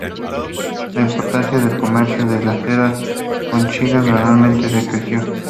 La importancia del comercio de seda con China gradualmente decreció.